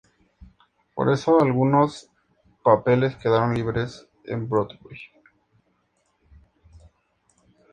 Por eso algunos papeles quedaron libres en Broadway.